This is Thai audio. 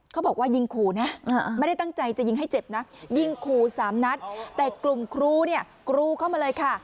เขาบอกว่ายิงขู่นะไม่ได้ตั้งใจจะยิงให้เจ็บนะยิงขู่สามนัดแต่กลุ่มครูเนี่ยกรูเข้ามาเลยค่ะ